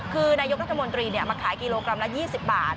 คือนายกรัฐมนตรีมาขายกิโลกรัมละ๒๐บาท